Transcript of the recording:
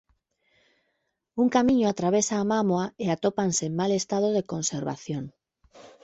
Un camiño atravesa a mámoa e atópanse en mal estado de conservación.